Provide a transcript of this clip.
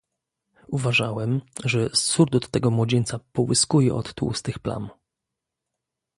"Uważałem, że surdut tego młodzieńca połyskuje od tłustych plam."